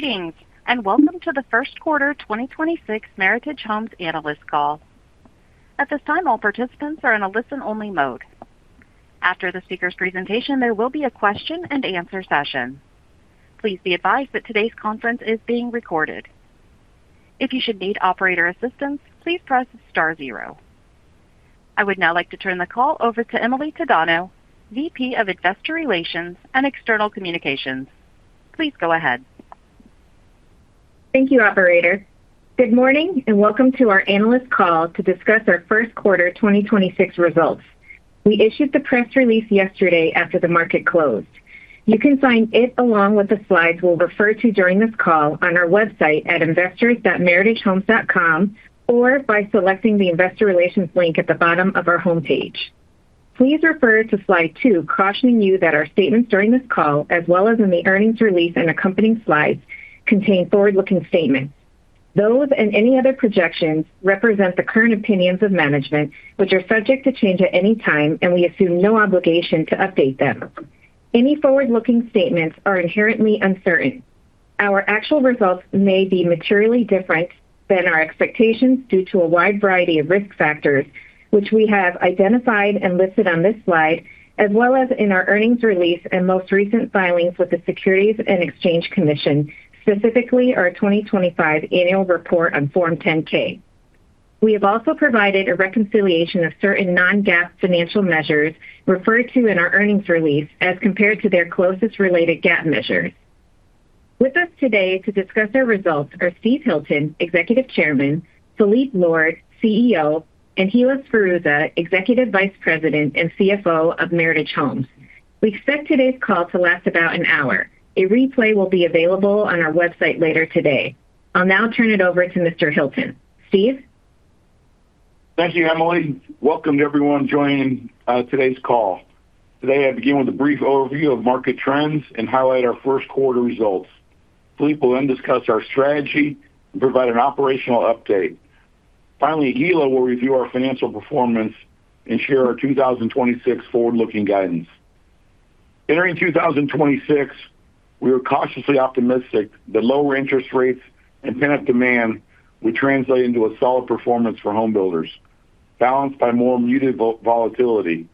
Greetings, and welcome to the Q1 2026 Meritage Homes analyst call. At this time, all participants are in a listen-only mode. After the speaker's presentation, there will be a question and answer session. Please be advised that today's conference is being recorded. If you should need operator assistance, please press star zero. I would now like to turn the call over to Emily Tadano, VP of Investor Relations and External Communications. Please go ahead. Thank you, operator. Good morning and welcome to our analyst call to discuss our Q1 2026 results. We issued the press release yesterday after the market closed. You can find it, along with the slides we'll refer to during this call, on our website at investors.meritagehomes.com or by selecting the Investor Relations link at the bottom of our homepage. Please refer to slide two cautioning you that our statements during this call, as well as in the earnings release and accompanying slides, contain forward-looking statements. Those, and any other projections, represent the current opinions of management, which are subject to change at any time, and we assume no obligation to update them. Any forward-looking statements are inherently uncertain. Our actual results may be materially different than our expectations due to a wide variety of risk factors, which we have identified and listed on this slide, as well as in our earnings release and most recent filings with the Securities and Exchange Commission, specifically our 2025 annual report on Form 10-K. We have also provided a reconciliation of certain non-GAAP financial measures referred to in our earnings release as compared to their closest related GAAP measures. With us today to discuss our results are Steve Hilton, Executive Chairman, Phillippe Lord, CEO, and Hilla Sferruzza, Executive Vice President and CFO of Meritage Homes. We expect today's call to last about an hour. A replay will be available on our website later today. I'll now turn it over to Mr. Hilton. Steve? Thank you, Emily. Welcome to everyone joining today's call. Today, I begin with a brief overview of market trends and highlight our Q1 results. Phillippe will then discuss our strategy and provide an operational update. Finally, Hilla will review our financial performance and share our 2026 forward-looking guidance. Entering 2026, we were cautiously optimistic that lower interest rates and pent-up demand would translate into a solid performance for home builders, balanced by more muted volatility.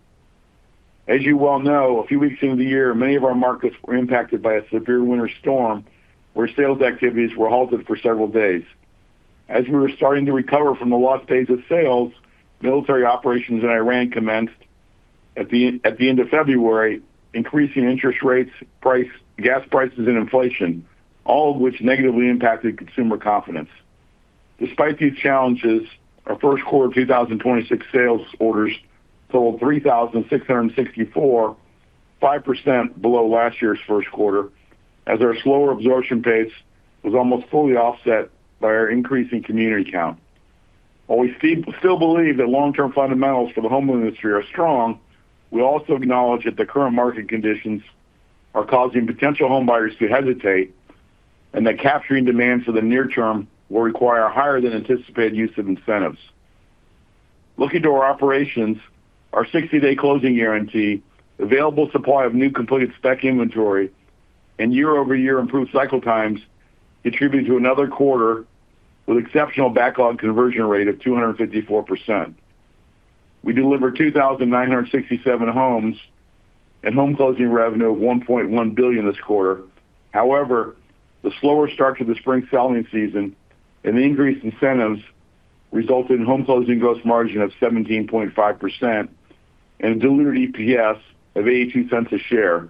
As you well know, a few weeks into the year, many of our markets were impacted by a severe winter storm where sales activities were halted for several days. As we were starting to recover from the lost days of sales, military operations in Iran commenced at the end of February, increasing interest rates, gas prices, and inflation, all of which negatively impacted consumer confidence. Despite these challenges, our Q1 2026 sales orders totaled 3,664, 5% below last year's Q1, as our slower absorption pace was almost fully offset by our increase in community count. While we still believe that long-term fundamentals for the home industry are strong, we also acknowledge that the current market conditions are causing potential home buyers to hesitate and that capturing demand for the near term will require higher than anticipated use of incentives. Looking to our operations, our 60-Day Closing Guarantee, available supply of new completed spec inventory, and year-over-year improved cycle times contribute to another quarter with exceptional backlog conversion rate of 254%. We delivered 2,967 homes and home closing revenue of $1.1 billion this quarter. However, the slower start to the spring selling season and the increased incentives resulted in home closing gross margin of 17.5% and diluted EPS of $0.82 a share.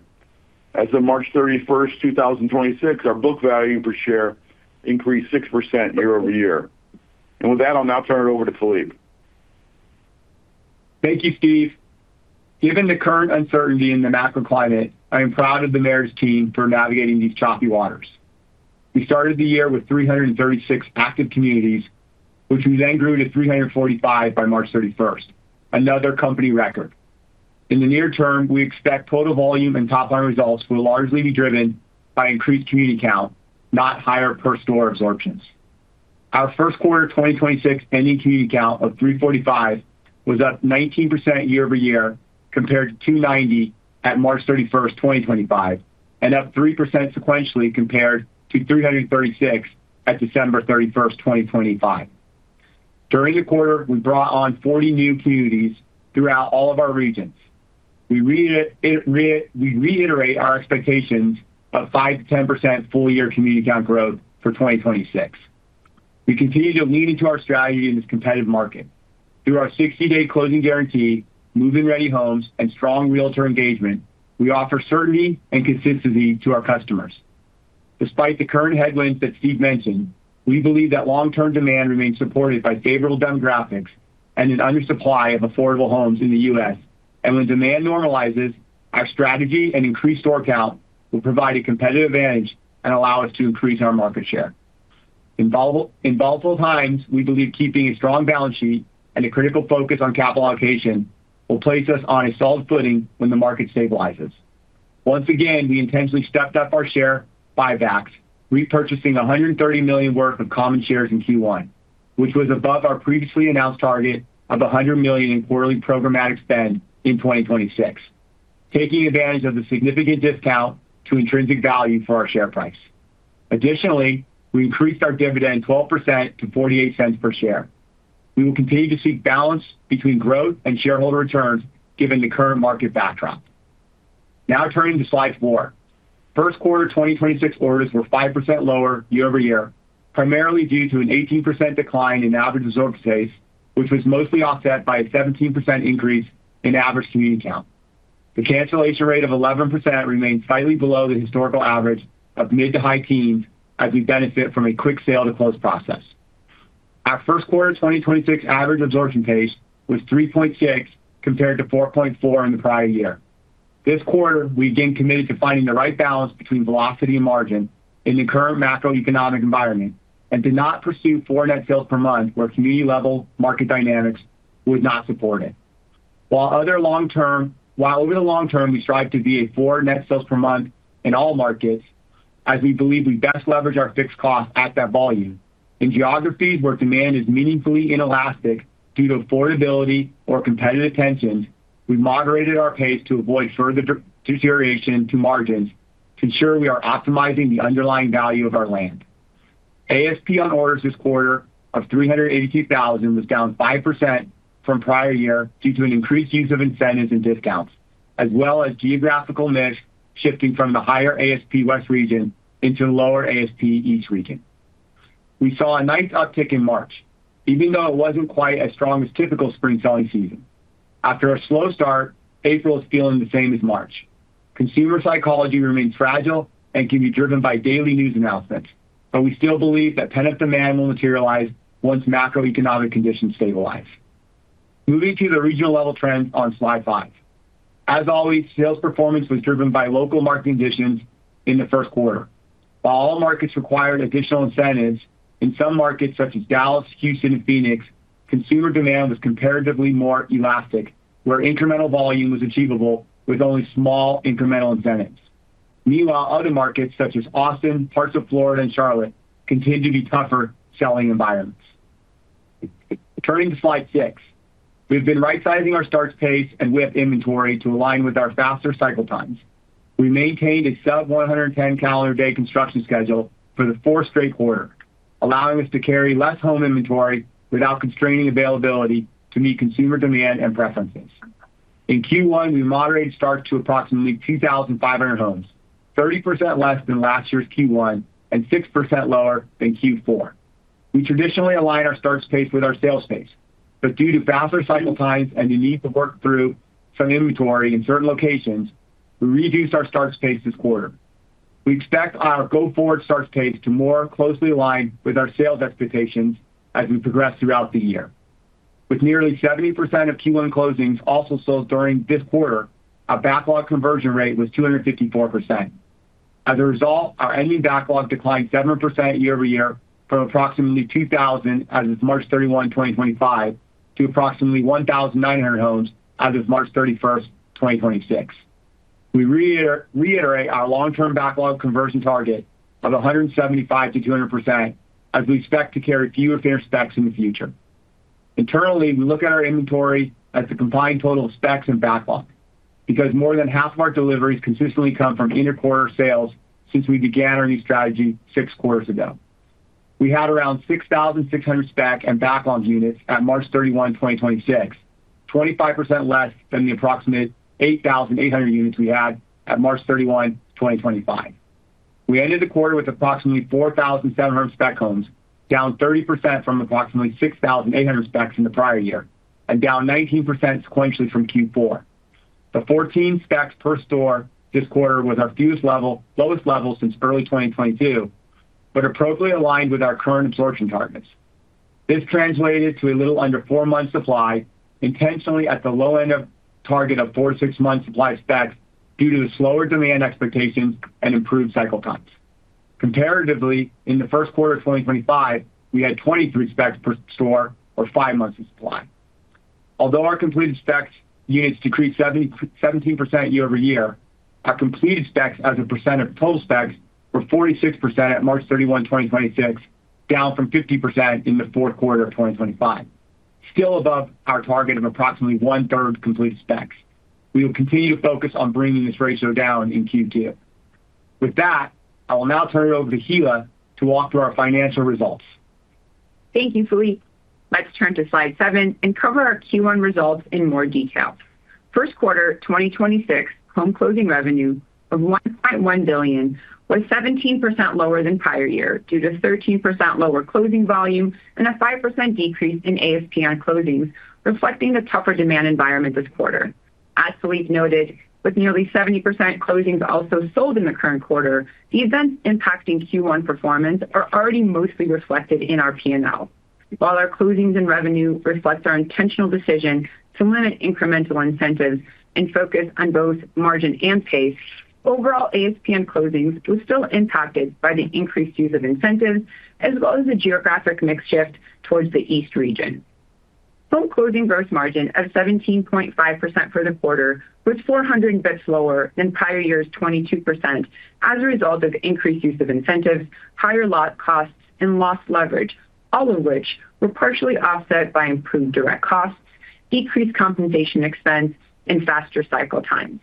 As of March 31st, 2026, our book value per share increased 6% year-over-year. With that, I'll now turn it over to Phillippe. Thank you, Steve. Given the current uncertainty in the macro climate, I am proud of the Meritage team for navigating these choppy waters. We started the year with 336 active communities, which we then grew to 345 by March 31st, another company record. In the near term, we expect total volume and top-line results will largely be driven by increased community count, not higher per-store absorptions. Our Q1 2026 ending community count of 345 was up 19% year-over-year compared to 290 at March 31st, 2025, and up 3% sequentially compared to 336 at December 31st, 2025. During the quarter, we brought on 40 new communities throughout all of our regions. We reiterate our expectations of 5%-10% full-year community count growth for 2026. We continue to lean into our strategy in this competitive market. Through our 60-day closing guarantee, move-in-ready homes, and strong realtor engagement, we offer certainty and consistency to our customers. Despite the current headwinds that Steve mentioned, we believe that long-term demand remains supported by favorable demographics and an undersupply of affordable homes in the U.S. When demand normalizes, our strategy and increased store count will provide a competitive advantage and allow us to increase our market share. In volatile times, we believe keeping a strong balance sheet and a critical focus on capital allocation will place us on a solid footing when the market stabilizes. Once again, we intentionally stepped up our share buybacks, repurchasing $130 million worth of common shares in Q1, which was above our previously announced target of $100 million in quarterly programmatic spend in 2026. Taking advantage of the significant discount to intrinsic value for our share price. Additionally, we increased our dividend 12% to $0.48 per share. We will continue to seek balance between growth and shareholder returns given the current market backdrop. Now turning to slide four. Q12026 orders were 5% lower year-over-year, primarily due to an 18% decline in average absorption pace, which was mostly offset by a 17% increase in average community count. The cancellation rate of 11% remains slightly below the historical average of mid to high teens as we benefit from a quick sale to close process. Our Q1 2026 average absorption pace was three point, compared to four point four in the prior year. This quarter, we again committed to finding the right balance between velocity and margin in the current macroeconomic environment and did not pursue four net sales per month where community-level market dynamics would not support it. While over the long term, we strive to be fournet sales per month in all markets, as we believe we best leverage our fixed costs at that volume. In geographies where demand is meaningfully inelastic due to affordability or competitive tensions, we moderated our pace to avoid further deterioration to margins to ensure we are optimizing the underlying value of our land. ASP on orders this quarter of $382,000 was down 5% from prior year due to an increased use of incentives and discounts, as well as geographical mix shifting from the higher ASP west region into lower ASP east region. We saw a nice uptick in March, even though it wasn't quite as strong as typical spring selling season. After a slow start, April is feeling the same as March. Consumer psychology remains fragile and can be driven by daily news announcements, but we still believe that pent-up demand will materialize once macroeconomic conditions stabilize. Moving to the regional level trends on slide five. As always, sales performance was driven by local market conditions in the Q1. While all markets required additional incentives, in some markets such as Dallas, Houston, and Phoenix, consumer demand was comparatively more elastic, where incremental volume was achievable with only small incremental incentives. Meanwhile, other markets such as Austin, parts of Florida, and Charlotte continue to be tougher selling environments. Turning to slide six. We've been right-sizing our starts pace and WIP inventory to align with our faster cycle times. We maintained a sub-110 calendar day construction schedule for the fourth straight quarter, allowing us to carry less home inventory without constraining availability to meet consumer demand and preferences. In Q1, we moderated starts to approximately 2,500 homes, 30% less than last year's Q1 and 6% lower than Q4. We traditionally align our starts pace with our sales pace, but due to faster cycle times and the need to work through some inventory in certain locations, we reduced our starts pace this quarter. We expect our go-forward starts pace to more closely align with our sales expectations as we progress throughout the year. With nearly 70% of Q1 closings also sold during this quarter, our backlog conversion rate was 254%. As a result, our ending backlog declined 7% year over year from approximately 2,000 as of March 31, 2025, to approximately 1,900 homes as of March 31st, 2026. We reiterate our long-term backlog conversion target of 175%-200% as we expect to carry fewer finished specs in the future. Internally, we look at our inventory as the combined total of specs and backlog because more than half of our deliveries consistently come from inter-quarter sales since we began our new strategy Q6 ago. We had around 6,600 spec and backlog units at March 31, 2026, 25% less than the approximate 8,800 units we had at March 31, 2025. We ended the quarter with approximately 4,700 spec homes, down 30% from approximately 6,800 specs in the prior year and down 19% sequentially from Q4. The 14 specs per store this quarter was our fewest level, lowest level since early 2022, but appropriately aligned with our current absorption targets. This translated to a little under four months supply, intentionally at the low end of target of four to six months supply of specs due to the slower demand expectations and improved cycle times. Comparatively, in the Q1of 2025, we had 23 specs per store or 5 months of supply. Although our completed specs units decreased 17% year-over-year, our completed specs as a percent of total specs were 46% at March 31, 2026, down from 50% in the Q4 of 2025. Still above our target of approximately one-third completed specs. We will continue to focus on bringing this ratio down in Q2. With that, I will now turn it over to Hilla to walk through our financial results. Thank you, Phillippe. Let's turn to slide seven and cover our Q1 results in more detail. Q1 2026 home closing revenue of $1.1 billion was 17% lower than prior year due to 13% lower closing volume and a 5% decrease in ASP on closings, reflecting the tougher demand environment this quarter. As Phillippe noted, with nearly 70% closings also sold in the current quarter, the events impacting Q1 performance are already mostly reflected in our P&L. While our closings and revenue reflects our intentional decision to limit incremental incentives and focus on both margin and pace, overall ASP on closings was still impacted by the increased use of incentives as well as the geographic mix shift towards the East region. Home closing gross margin of 17.5% for the quarter was 400 basis points lower than prior year's 22% as a result of increased use of incentives, higher lot costs, and lost leverage, all of which were partially offset by improved direct costs, decreased compensation expense, and faster cycle times.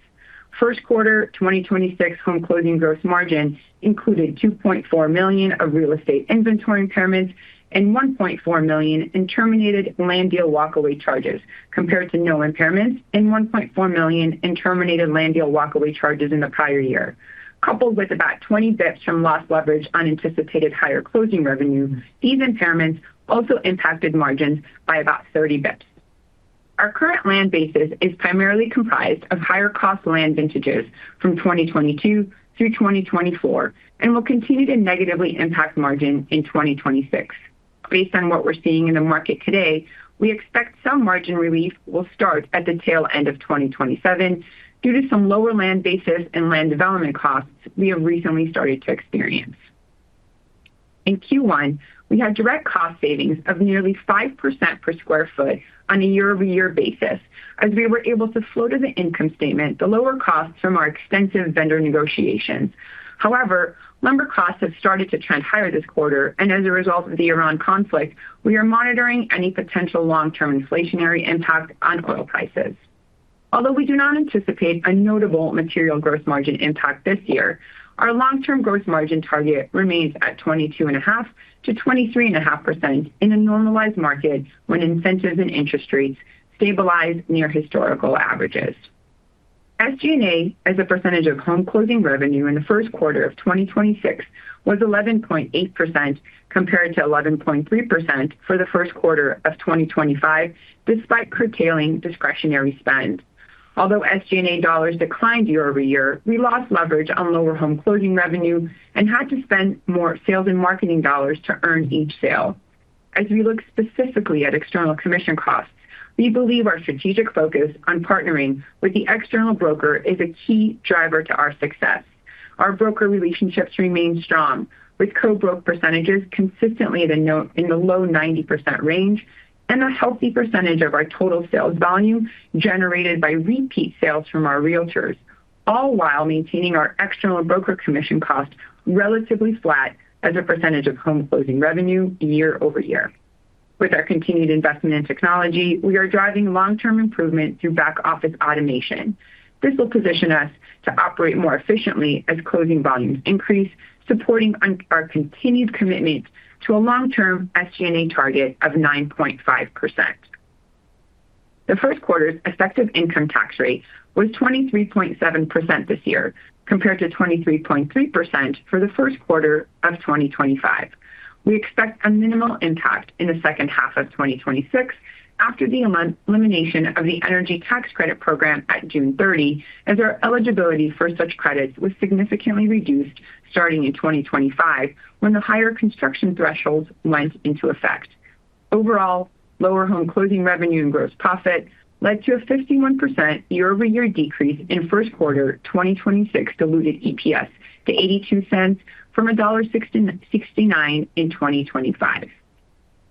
Q1 2026 home closing gross margin included $2.4 million of real estate inventory impairments and $1.4 million in terminated land deal walkaway charges, compared to no impairments and $1.4 million in terminated land deal walkaway charges in the prior year. Coupled with about 20 basis points from lost leverage, unanticipated higher closing revenue, these impairments also impacted margins by about 30 basis points. Our current land basis is primarily comprised of higher-cost land vintages from 2022 through 2024 and will continue to negatively impact margin in 2026. Based on what we're seeing in the market today, we expect some margin relief will start at the tail end of 2027 due to some lower land basis and land development costs we have recently started to experience. In Q1, we had direct cost savings of nearly 5% per sq ft on a year-over-year basis as we were able to flow to the income statement the lower costs from our extensive vendor negotiations. However, lumber costs have started to trend higher this quarter, and as a result of the Iran conflict, we are monitoring any potential long-term inflationary impact on oil prices. Although we do not anticipate a notable material gross margin impact this year, our long-term gross margin target remains at 22.5%-23.5% in a normalized market when incentives and interest rates stabilize near historical averages. SG&A, as a percentage of home closing revenue in the Q1 of 2026, was 11.8%, compared to 11.3% for the Q1 of 2025, despite curtailing discretionary spend. Although SG&A dollars declined year over year, we lost leverage on lower home closing revenue and had to spend more sales and marketing dollars to earn each sale. As we look specifically at external commission costs, we believe our strategic focus on partnering with the external broker is a key driver to our success. Our broker relationships remain strong, with co-broke percentages consistently in the low 90% range and a healthy percentage of our total sales volume generated by repeat sales from our realtors, all while maintaining our external broker commission cost relatively flat as a percentage of home closing revenue year-over-year. With our continued investment in technology, we are driving long-term improvement through back-office automation. This will position us to operate more efficiently as closing volumes increase, supporting our continued commitment to a long-term SG&A target of 9.5%. The Q1 effective income tax rate was 23.7% this year, compared to 23.3% for the Q1 of 2025. We expect a minimal impact in the second half of 2026 after the elimination of the energy tax credit program at June 30, as our eligibility for such credits was significantly reduced starting in 2025, when the higher construction thresholds went into effect. Overall, lower home closing revenue and gross profit led to a 51% year-over-year decrease in Q1 2026 diluted EPS to $0.82 from $1.69 in 2025.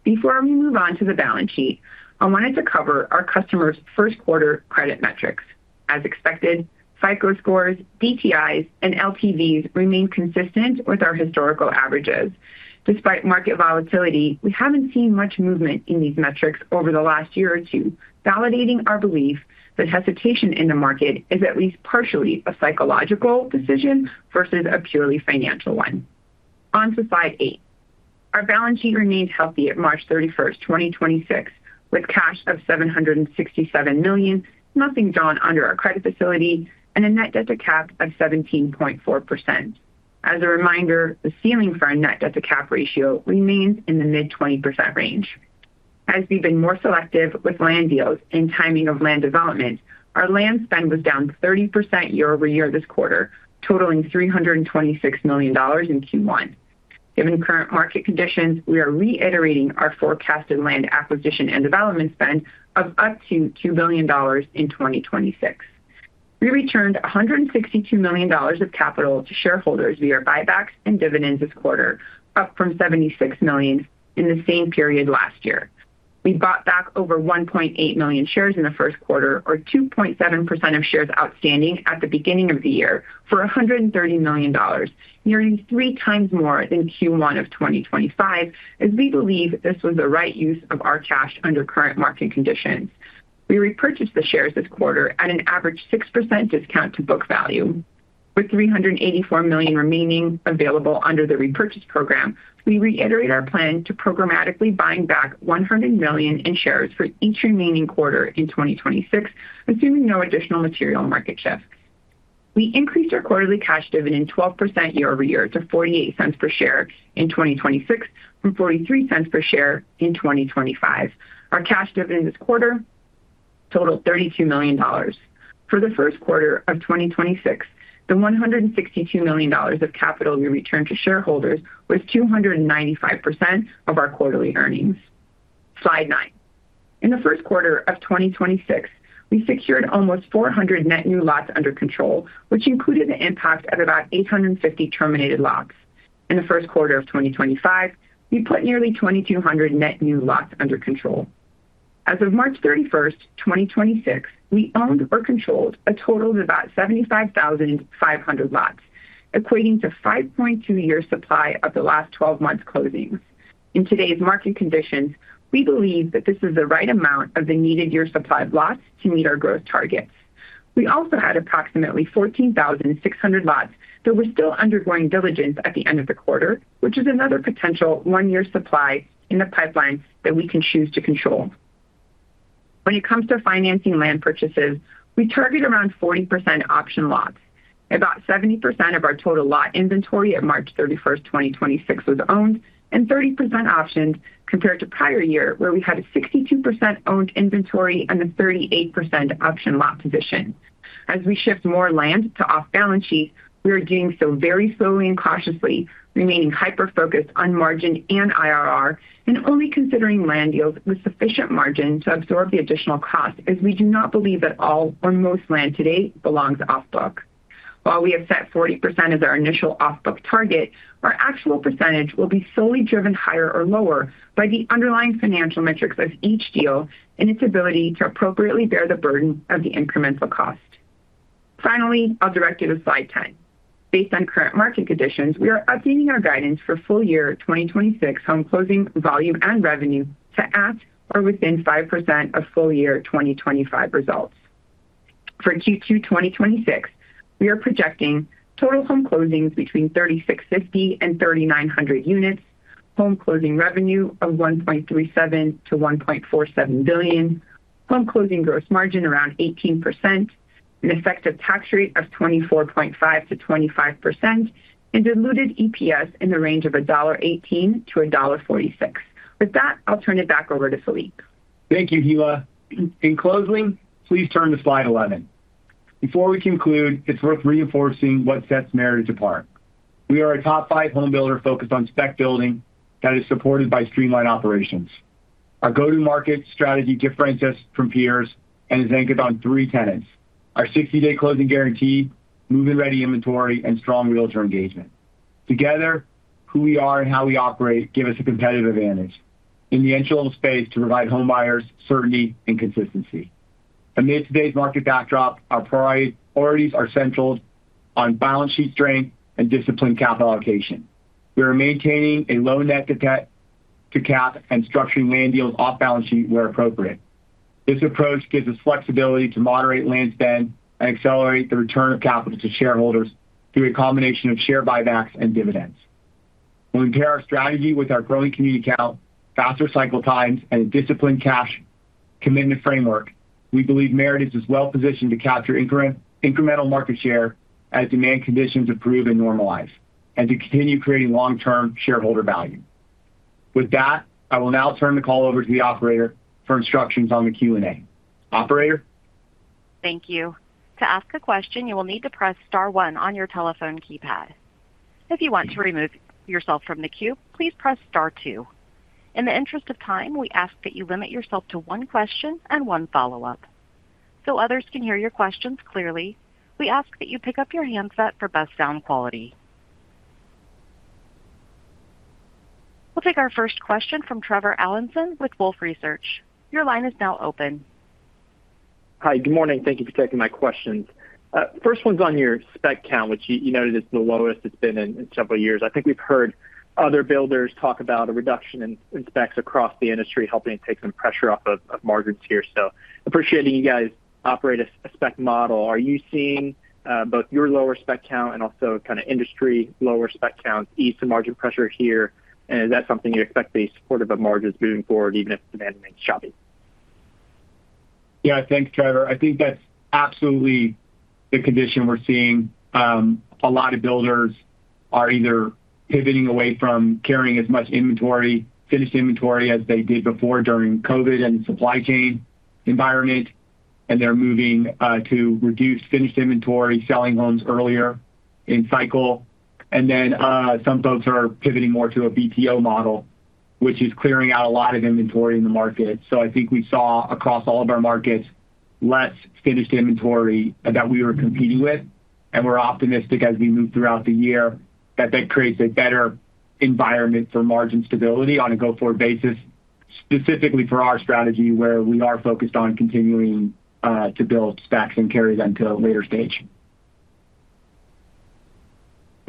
Before we move on to the balance sheet, I wanted to cover our customers' Q1 credit metrics. As expected, FICO scores, DTIs, and LTVs remain consistent with our historical averages. Despite market volatility, we haven't seen much movement in these metrics over the last year or two, validating our belief that hesitation in the market is at least partially a psychological decision versus a purely financial one. On to slide eight. Our balance sheet remains healthy at March 31st, 2026, with cash of $767 million, nothing drawn under our credit facility, and a net debt to cap of 17.4%. As a reminder, the ceiling for our net debt to cap ratio remains in the mid-20% range. As we've been more selective with land deals and timing of land development, our land spend was down 30% year-over-year this quarter, totaling $326 million in Q1. Given current market conditions, we are reiterating our forecasted land acquisition and development spend of up to $2 billion in 2026. We returned $162 million of capital to shareholders via buybacks and dividends this quarter, up from $76 million in the same period last year. We bought back over 1.8 million shares in the Q1, or 2.7% of shares outstanding at the beginning of the year for $130 million, nearing three times more than Q1 of 2025, as we believe this was the right use of our cash under current market conditions. We repurchased the shares this quarter at an average 6% discount to book value. With $384 million remaining available under the repurchase program, we reiterate our plan to programmatically buying back $100 million in shares for each remaining quarter in 2026, assuming no additional material market shifts. We increased our quarterly cash dividend 12% year-over-year to $0.48 per share in 2026 from $0.43 per share in 2025. Our cash dividend this quarter totaled $32 million. For the Q1 of 2026, the $162 million of capital we returned to shareholders was 295% of our quarterly earnings. Slide nine. In the Q1 of 2026, we secured almost 400 net new lots under control, which included an impact of about 850 terminated lots. In the Q1 of 2025, we put nearly 2,200 net new lots under control. As of March 31st, 2026, we owned or controlled a total of about 75,500 lots, equating to five point two years supply of the last 12 months closings. In today's market conditions, we believe that this is the right amount of the needed year supply of lots to meet our growth targets. We also had approximately 14,600 lots that were still undergoing diligence at the end of the quarter, which is another potential one-year supply in the pipeline that we can choose to control. When it comes to financing land purchases, we target around 40% option lots. About 70% of our total lot inventory at March 31st, 2026, was owned and 30% optioned compared to prior year where we had a 62% owned inventory and a 38% option lot position. As we shift more land to off balance sheet, we are doing so very slowly and cautiously, remaining hyper-focused on margin and IRR, and only considering land deals with sufficient margin to absorb the additional cost, as we do not believe that all or most land to date belongs off-book. While we have set 40% as our initial off-book target, our actual percentage will be solely driven higher or lower by the underlying financial metrics of each deal and its ability to appropriately bear the burden of the incremental cost. Finally, I'll direct you to slide 10. Based on current market conditions, we are updating our guidance for full year 2026 home closing volume and revenue to at or within 5% of full year 2025 results. For Q2 2026, we areprojecting total home closings between 3,650-3,900 units. Home closing revenue of $1.37-$1.47 billion. Home closing gross margin around 18%, an effective tax rate of 24.5%-25%, and diluted EPS in the range of $1.18-$1.46. With that, I'll turn it back over to Phillippe. Thank you, Hilla. In closing, please turn to slide 11. Before we conclude, it's worth reinforcing what sets Meritage apart. We are a top 5 home builder focused on spec building that is supported by streamlined operations. Our go-to-market strategy differentiates us from peers and is anchored on three tenets, our 60-day closing guarantee, move-in ready inventory, and strong realtor engagement. Together, who we are and how we operate give us a competitive advantage in the entry-level space to provide homebuyers certainty and consistency. Amid today's market backdrop, our priorities are centered on balance sheet strength and disciplined capital allocation. We are maintaining a low net debt-to-capital and structuring land deals off-balance-sheet where appropriate. This approach gives us flexibility to moderate land spend and accelerate the return of capital to shareholders through a combination of share buybacks and dividends. When we pair our strategy with our growing community count, faster cycle times and a disciplined cash commitment framework, we believe Meritage is well positioned to capture incremental market share as demand conditions improve and normalize, and to continue creating long-term shareholder value. With that, I will now turn the call over to the operator for instructions on the Q&A. Operator? Thank you. To ask a question, you will need to press star one on your telephone keypad. If you want to remove yourself from the queue, please press star two. In the interest of time, we ask that you limit yourself to one question and one follow-up. So others can hear your questions clearly, we ask that you pick up your handset for best sound quality. We'll take our first question from Trevor Allinson with Wolfe Research. Your line is now open. Hi. Good morning. Thank you for taking my questions. First one's on your spec count, which you noted is the lowest it's been in several years. I think we've heard other builders talk about a reduction in specs across the industry, helping take some pressure off of margins here. Appreciating you guys operate a spec model, are you seeing both your lower spec count and also kind of industry lower spec counts ease the margin pressure here? Is that something you expect to be supportive of margins moving forward even if demand remains choppy? Yeah. Thanks, Trevor. I think that's absolutely the condition we're seeing. A lot of builders are either pivoting away from carrying as much finished inventory as they did before during COVID and supply chain environment. They're moving to reduce finished inventory, selling homes earlier in cycle. Some folks are pivoting more to a BTO model, which is clearing out a lot of inventory in the market. I think we saw across all of our markets, less finished inventory that we were competing with, and we're optimistic as we move throughout the year that that creates a better environment for margin stability on a go-forward basis, specifically for our strategy, where we are focused on continuing to build specs and carry them to a later stage.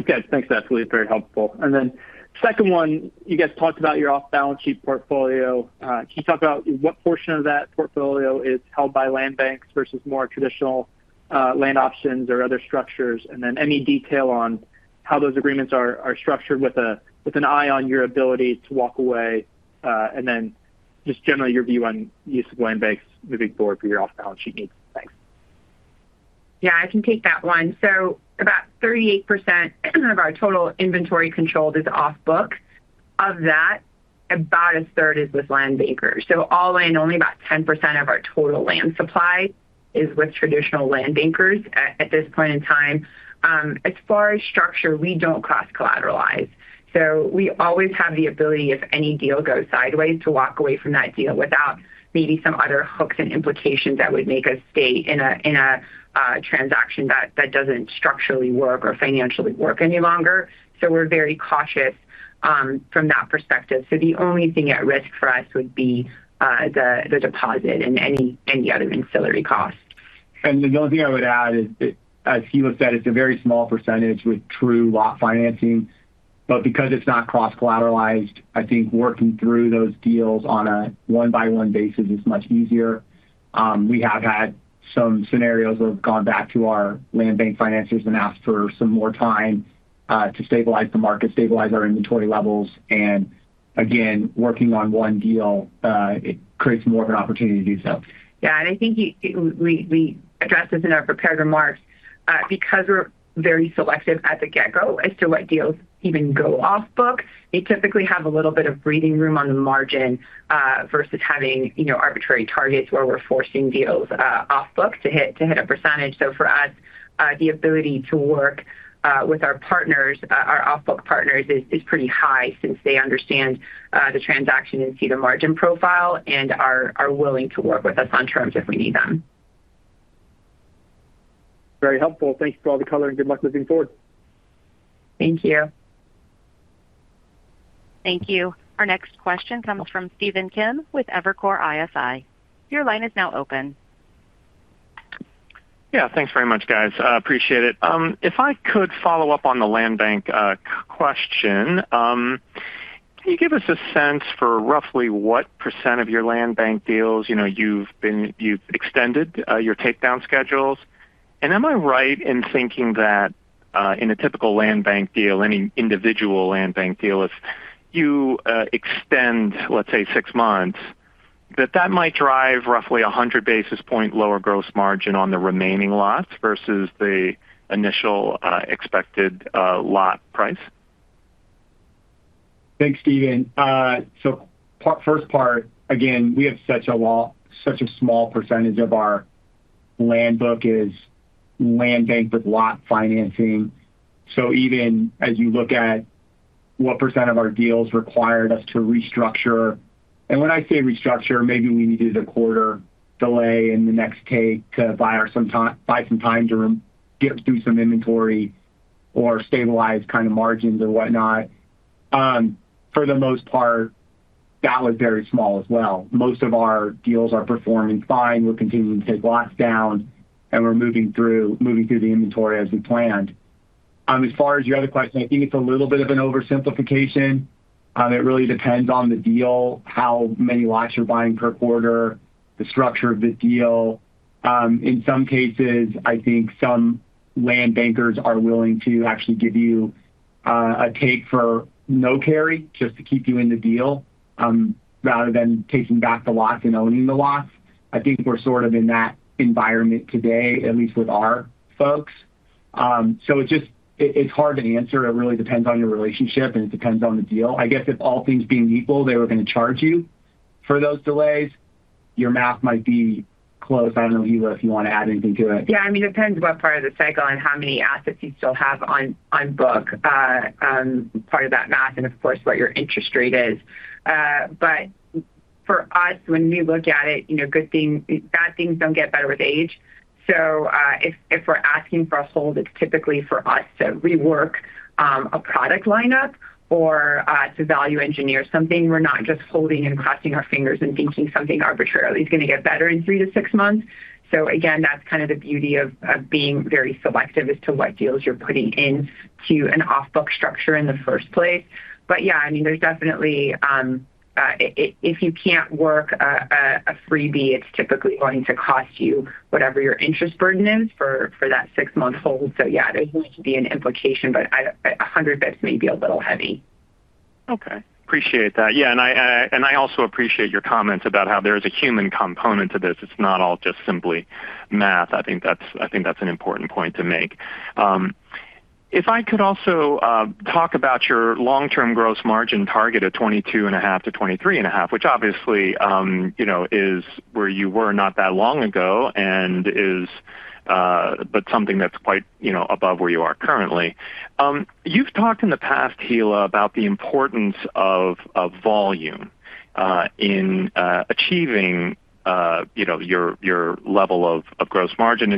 Okay. Thanks, Phillippe. Very helpful. Then second one, you guys talked about your off-balance sheet portfolio. Can you talk about what portion of that portfolio is held by land banks versus more traditional land options or other structures? Any detail on how those agreements are structured with an eye on your ability to walk away, and then just generally your view on use of land banks moving forward for your off-balance sheet needs. Thanks. Yeah, I can take that one. About 38% of our total inventory controlled is off book. About a third is with land bankers. All in, only about 10% of our total land supply is with traditional land bankers at this point in time. As far as structure, we don't cross-collateralize, so we always have the ability, if any deal goes sideways, to walk away from that deal without maybe some other hooks and implications that would make us stay in a transaction that doesn't structurally work or financially work any longer. We're very cautious from that perspective. The only thing at risk for us would be the deposit and any other ancillary costs. The only thing I would add is that, as Hilla said, it's a very small percentage with true lot financing. Because it's not cross-collateralized, I think working through those deals on a one-by-one basis is much easier. We have had some scenarios where we've gone back to our land bank financers and asked for some more time to stabilize the market, stabilize our inventory levels, and again, working on one deal it creates more of an opportunity to do so. Yeah. I think we addressed this in our prepared remarks. Because we're very selective at the get-go as to what deals even go off-book, we typically have a little bit of breathing room on the margin versus having arbitrary targets where we're forcing deals off-book to hit a percentage. For us, the ability to work with our off-book partners is pretty high since they understand the transaction and see the margin profile and are willing to work with us on terms if we need them. Very helpful. Thank you for all the color, and good luck moving forward. Thank you. Thank you. Our next question comes from Stephen Kim with Evercore ISI. Your line is now open. Yeah, thanks very much, guys. I appreciate it. If I could follow up on the land bank question. Can you give us a sense for roughly what % of your land bank deals you've extended your takedown schedules? And am I right in thinking that in a typical land bank deal, any individual land bank deal, if you extend, let's say, six months, that might drive roughly 100 basis point lower gross margin on the remaining lots versus the initial expected lot price? Thanks, Stephen Kim. First part, again, we have such a small percentage of our land book is land bank with lot financing. Even as you look at what % of our deals required us to restructure, and when I say restructure, maybe we needed a quarter delay in the next take to buy some time to get through some inventory or stabilize margins or whatnot. For the most part, that was very small as well. Most of our deals are performing fine. We're continuing to take lots down, and we're moving through the inventory as we planned. As far as your other question, I think it's a little bit of an oversimplification. It really depends on the deal, how many lots you're buying per quarter, the structure of the deal. In some cases, I think some land bankers are willing to actually give you a take for no carry just to keep you in the deal rather than taking back the lots and owning the lots. I think we're sort of in that environment today, at least with our folks. It's hard to answer. It really depends on your relationship, and it depends on the deal. I guess if all things being equal, they were going to charge you for those delays, your math might be close. I don't know, Hilla, if you want to add anything to it. Yeah, it depends what part of the cycle and how many assets you still have on book, part of that math, and of course, what your interest rate is. For us, when we look at it, bad things don't get better with age. If we're asking for a hold, it's typically for us to rework a product lineup or to value engineer something. We're not just holding and crossing our fingers and thinking something arbitrarily is going to get better in three-six months. Again, that's kind of the beauty of being very selective as to what deals you're putting into an off-book structure in the first place. Yeah, there's definitely, if you can't work a freebie, it's typically going to cost you whatever your interest burden is for that six-month hold. Yeah, there seems to be an implication, but 100 basis points may be a little heavy. Okay. Appreciate that. Yeah, and I also appreciate your comments about how there is a human component to this. It's not all just simply math. I think that's an important point to make. If I could also talk about your long-term gross margin target of 22.5%-23.5%, which obviously is where you were not that long ago and is but something that's quite above where you are currently. You've talked in the past, Hilla, about the importance of volume in achieving your level of gross margin.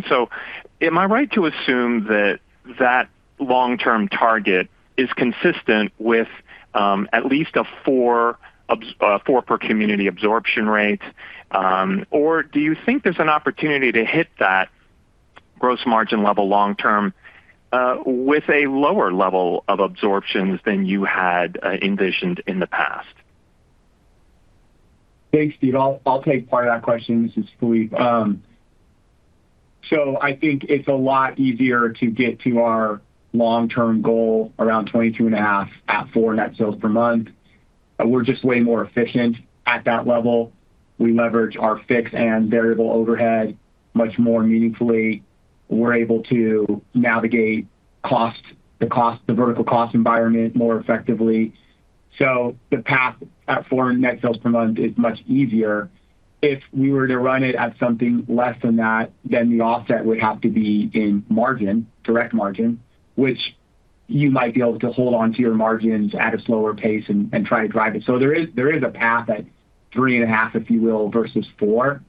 Am I right to assume that that long-term target is consistent with at least a four per community absorption rate? Or do you think there's an opportunity to hit that gross margin level long term with a lower level of absorptions than you had envisioned in the past? Thanks, Steve. I'll take part of that question. This is Phillippe. I think it's a lot easier to get to our long-term goal around 22.5% at four net sales per month. We're just way more efficient at that level. We leverage our fixed and variable overhead much more meaningfully. We're able to navigate the volatile cost environment more effectively. The path at four net sales per month is much easier. If we were to run it at something less than that, then the offset would have to be in direct margin, which you might be able to hold onto your margins at a slower pace and try to drive it. There is a path at three point five, if you will, versus four,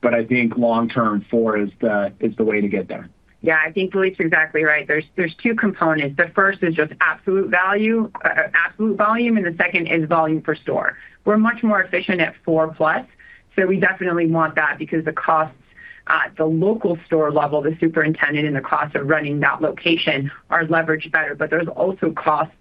but I think long-term, four is the way to get there. Yeah, I think Phillippe is exactly right. There's two components. The first is just absolute volume, and the second is volume per store. We're much more efficient at 4+, so we definitely want that because the costs at the local store level, the superintendent and the cost of running that location are leveraged better. There's also costs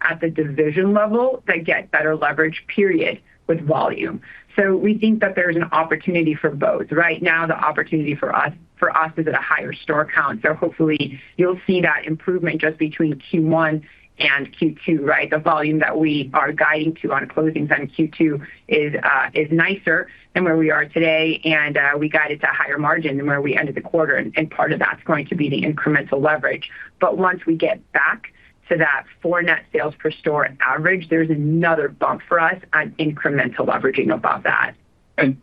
at the division level that get better leverage period with volume. We think that there's an opportunity for both. Right now, the opportunity for us is at a higher store count. Hopefully you'll see that improvement just between Q1 and Q2, right? The volume that we are guiding to on closings on Q2 is nicer than where we are today. We guide it to a higher margin than where we ended the quarter. Part of that's going to be the incremental leverage. Once we get back to that four net sales per store average, there's another bump for us on incremental leveraging above that.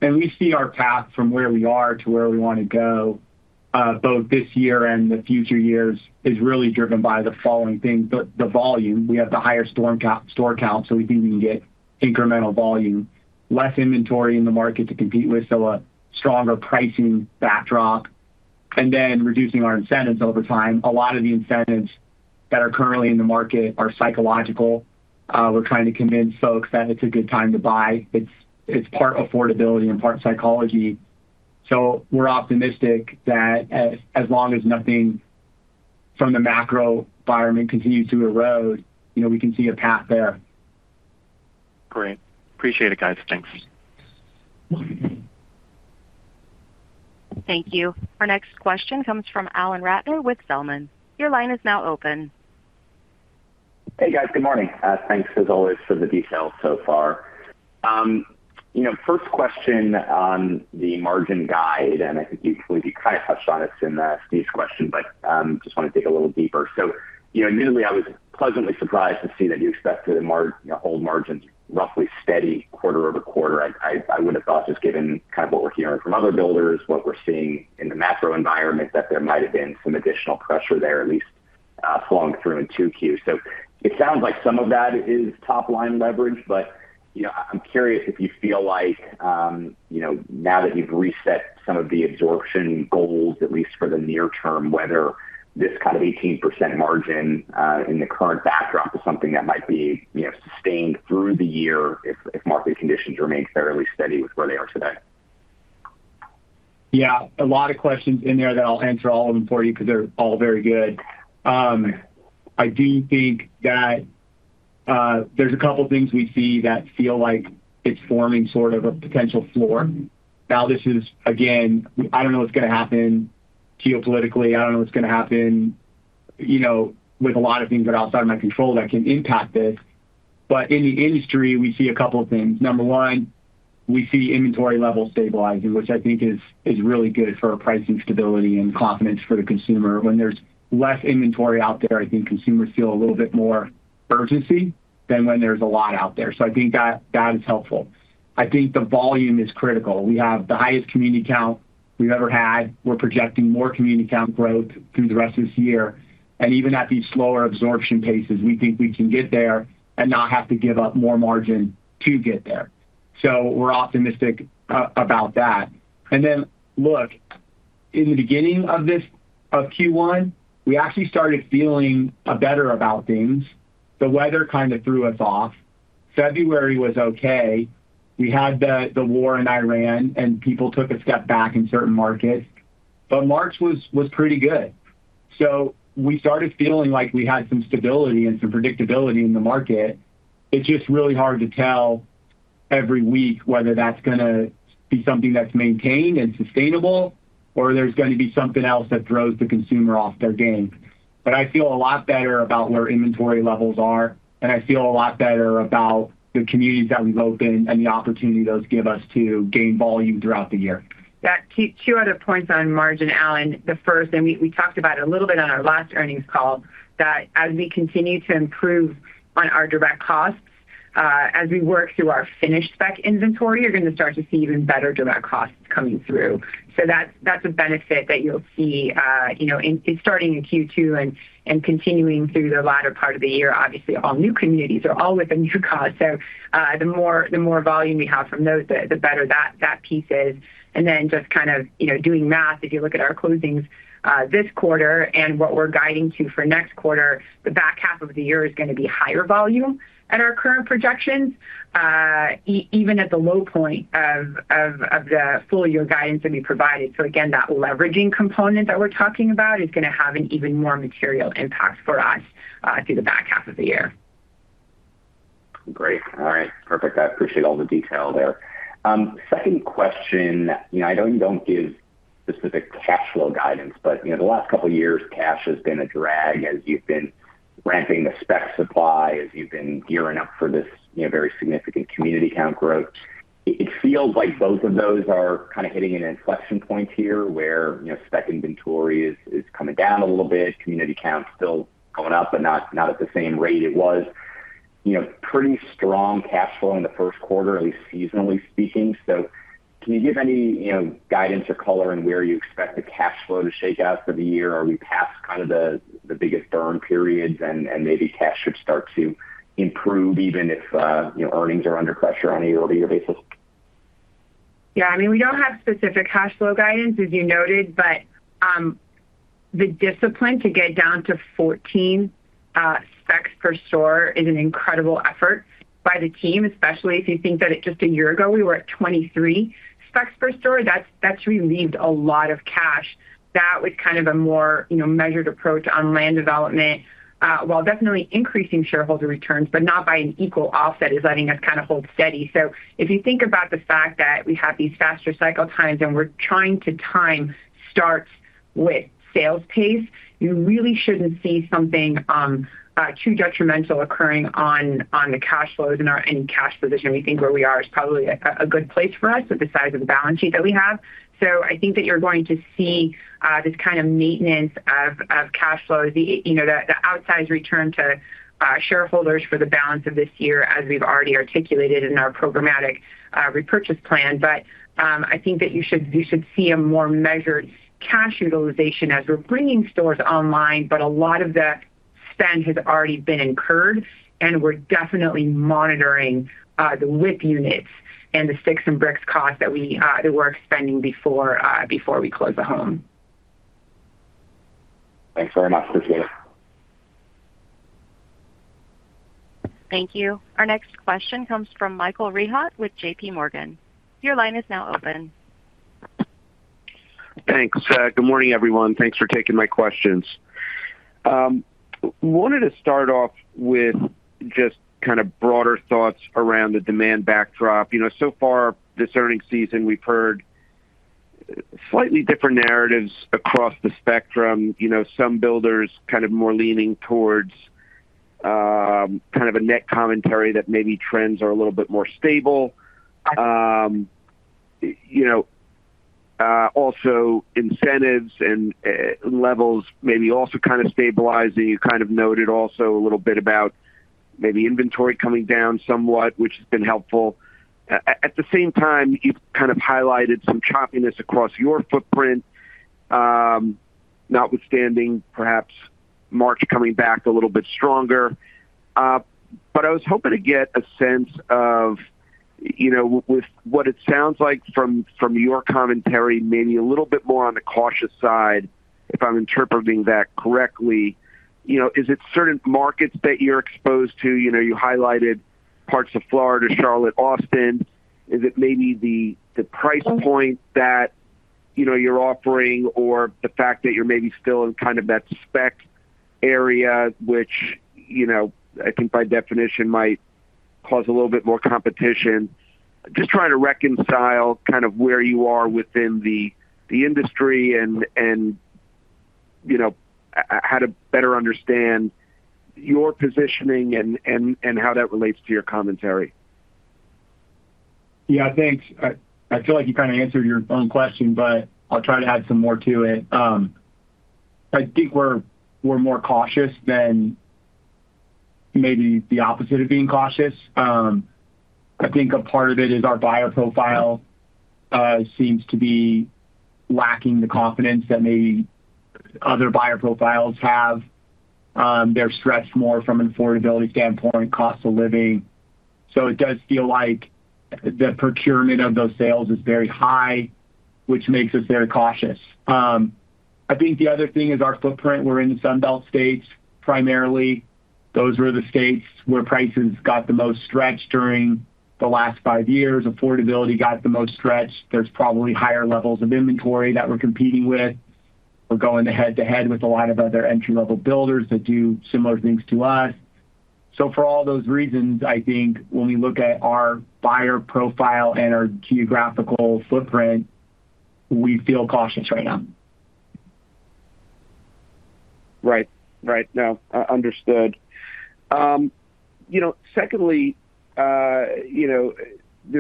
We see our path from where we are to where we want to go, both this year and the future years is really driven by the following things. The volume, we have the higher store count, so we think we can get incremental volume. Less inventory in the market to compete with, so a stronger pricing backdrop. Reducing our incentives over time. A lot of the incentives that are currently in the market are psychological. We're trying to convince folks that it's a good time to buy. It's part affordability and part psychology. We're optimistic that as long as nothing from the macro environment continues to erode, we can see a path there. Great. Appreciate it, guys. Thanks. Thank you. Our next question comes from Alan Ratner with Zelman & Associates. Your line is now open. Hey, guys. Good morning. Thanks as always for the details so far. First question on the margin guide, and I think you kind of touched on it in Steve's question, but just want to dig a little deeper. Initially, I was pleasantly surprised to see that you expect to hold margins roughly steady quarter-over-quarter. I would have thought, just given what we're hearing from other builders, what we're seeing in the macro environment, that there might have been some additional pressure there, at least flowing through in 2Q. It sounds like some of that is top line leverage, but I'm curious if you feel like, now that you've reset some of the absorption goals, at least for the near term, whether this kind of 18% margin in the current backdrop is something that might be sustained through the year if market conditions remain fairly steady with where they are today? Yeah, a lot of questions in there that I'll answer all of them for you because they're all very good. I do think that there's a couple things we see that feel like it's forming sort of a potential floor. Now this is, again, I don't know what's going to happen geopolitically. I don't know what's going to happen with a lot of things that are outside of my control that can impact this. In the industry, we see a couple of things. Number one, we see inventory levels stabilizing, which I think is really good for pricing stability and confidence for the consumer. When there's less inventory out there, I think consumers feel a little bit more urgency than when there's a lot out there. I think that is helpful. I think the volume is critical. We have the highest community count we've ever had. We're projecting more community count growth through the rest of this year. Even at these slower absorption paces, we think we can get there and not have to give up more margin to get there. We're optimistic about that. Look, in the beginning of Q1, we actually started feeling better about things. The weather kind of threw us off. February was okay. We had the war in Iran, and people took a step back in certain markets, but March was pretty good. We started feeling like we had some stability and some predictability in the market. It's just really hard to tell every week whether that's going to be something that's maintained and sustainable or there's going to be something else that throws the consumer off their game. I feel a lot better about where inventory levels are, and I feel a lot better about the communities that we've opened and the opportunity those give us to gain volume throughout the year. Two other points on margin, Alan. The first, and we talked about it a little bit on our last earnings call, that as we continue to improve on our direct costs, as we work through our finished spec inventory, you're going to start to see even better direct costs coming through. That's a benefit that you'll see starting in Q2 and continuing through the latter part of the year. Obviously, all new communities are always a new cost. The more volume we have from those, the better that piece is. Then just kind of doing math, if you look at our closings this quarter and what we're guiding to for next quarter, the back half of the year is going to be higher volume at our current projections, even at the low point of the full year guidance that we provided. Again, that leveraging component that we're talking about is going to have an even more material impact for us through the back half of the year. Great. All right. Perfect. I appreciate all the detail there. Second question. I know you don't give specific cash flow guidance, but the last couple of years, cash has been a drag as you've been ramping the spec supply, as you've been gearing up for this very significant community count growth. It feels like both of those are kind of hitting an inflection point here, where spec inventory is coming down a little bit. Community count's still going up, but not at the same rate it was. Pretty strong cash flow in the Q1, at least seasonally speaking. Can you give any guidance or color on where you expect the cash flow to shake out for the year? Are we past kind of the biggest burn periods and maybe cash should start to improve even if earnings are under pressure on a year-over-year basis? Yeah. We don't have specific cash flow guidance, as you noted, but the discipline to get down to 14 specs per store is an incredible effort by the team, especially if you think that just a year ago, we were at 23 specs per store. That's relieved a lot of cash. That was kind of a more measured approach on land development, while definitely increasing shareholder returns, but not by an equal offset is letting us kind of hold steady. If you think about the fact that we have these faster cycle times and we're trying to time starts with sales pace, you really shouldn't see something too detrimental occurring on the cash flows and our cash position. We think where we are is probably a good place for us with the size of the balance sheet that we have. I think that you're going to see this kind of maintenance of cash flow, the outsized return to shareholders for the balance of this year as we've already articulated in our programmatic repurchase plan. I think that you should see a more measured cash utilization as we're bringing stores online, but a lot of the spend has already been incurred, and we're definitely monitoring the WIP units and the sticks and bricks cost that we're spending before we close the home. Thanks very much, appreciate it. Thank you. Our next question comes from Michael Rehaut with J.P. Morgan. Your line is now open. Thanks. Good morning, everyone. Thanks for taking my questions. I wanted to start off with just kind of broader thoughts around the demand backdrop. So far this earnings season, we've heard slightly different narratives across the spectrum. Some builders kind of more leaning towards kind of a net commentary that maybe trends are a little bit more stable. Also incentives and levels maybe also kind of stabilizing. You kind of noted also a little bit about maybe inventory coming down somewhat, which has been helpful. At the same time, you've kind of highlighted some choppiness across your footprint, notwithstanding perhaps March coming back a little bit stronger. I was hoping to get a sense of, with what it sounds like from your commentary, maybe a little bit more on the cautious side, if I'm interpreting that correctly. Is it certain markets that you're exposed to? You highlighted parts of Florida, Charlotte, Austin. Is it maybe the price point that you're offering or the fact that you're maybe still in kind of that spec area, which I think by definition might cause a little bit more competition? Just trying to reconcile kind of where you are within the industry and how to better understand your positioning and how that relates to your commentary. Yeah, thanks. I feel like you kind of answered your own question, but I'll try to add some more to it. I think we're more cautious than maybe the opposite of being cautious. I think a part of it is our buyer profile seems to be lacking the confidence that maybe other buyer profiles have. They're stretched more from an affordability standpoint, cost of living. It does feel like the procurement of those sales is very high, which makes us very cautious. I think the other thing is our footprint. We're in the Sun Belt states primarily. Those were the states where prices got the most stretched during the last five years. Affordability got the most stretched. There's probably higher levels of inventory that we're competing with. We're going head to head with a lot of other entry-level builders that do similar things to us. For all those reasons, I think when we look at our buyer profile and our geographical footprint, we feel cautious right now. Right. No, understood. Secondly, there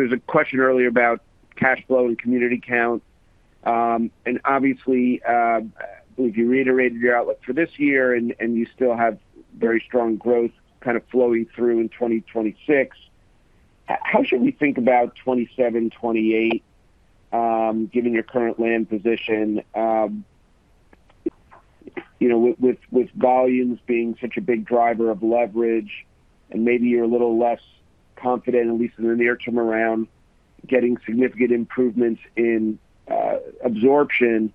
was a question earlier about cash flow and community count. Obviously, I believe you reiterated your outlook for this year, and you still have very strong growth kind of flowing through in 2026. How should we think about 2027, 2028, given your current land position? With volumes being such a big driver of leverage, and maybe you're a little less confident, at least in the near-term around getting significant improvements in absorption.